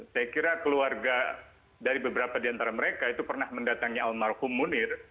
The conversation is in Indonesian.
saya kira keluarga dari beberapa di antara mereka itu pernah mendatangi almarhum munir